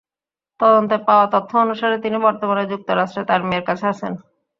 তদন্তে পাওয়া তথ্য অনুসারে, তিনি বর্তমানে যুক্তরাষ্ট্রে তাঁর মেয়ের কাছে আছেন।